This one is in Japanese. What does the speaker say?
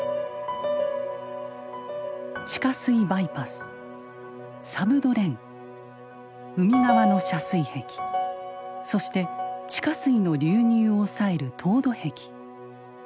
地下水バイパスサブドレン海側の遮水壁そして地下水の流入を抑える凍土壁。